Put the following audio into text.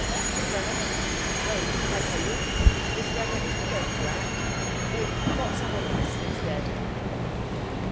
'Miss Wrenner? Oh! Didn't I tell you Miss Wrenner isn't going to act they've got someone else instead.'